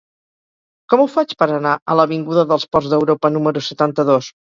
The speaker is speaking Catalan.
Com ho faig per anar a l'avinguda dels Ports d'Europa número setanta-dos?